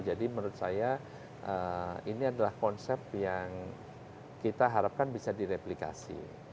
jadi menurut saya ini adalah konsep yang kita harapkan bisa direplikasi